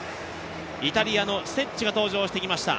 イタリアのステッチが登場してきました。